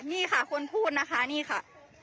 นี่ค่ะคนพูดนะคะนี่ค่ะ